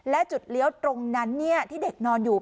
และจุดเลี้ยวตรงนั้นที่เด็กนอนอยู่